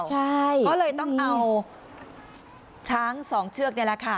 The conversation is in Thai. ใช่ก็เลยต้องเอาช้าง๒เชือกนี่แหละค่ะ